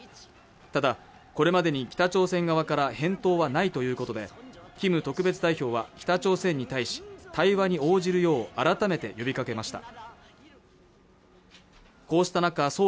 ただこれまでに北朝鮮側から返答はないということでキム特別代表は北朝鮮に対し対話に応じるよう改めて呼びかけました